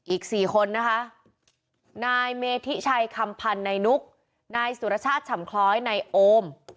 อีก๔คนนะคะนายเมธิชัยคำพันธ์นายนุกนายสุรชาติฉ่ำคล้อยนายโอม